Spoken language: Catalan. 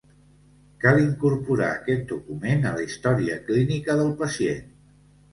Cal incorporar aquest document a la història clínica del pacient.